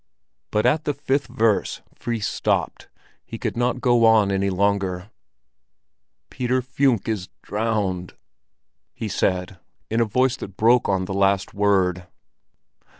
But at the fifth verse Fris stopped; he could not go on any longer. "Peter Funck is drowned!" he said, in a voice that broke on the last word.